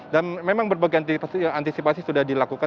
dan memang berbagai antisipasi sudah dilakukan